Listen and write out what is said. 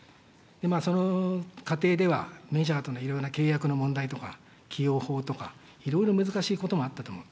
その過程ではメジャーとのいろいろ契約の問題とか、起用法とか、いろいろ難しいこともあったと思う。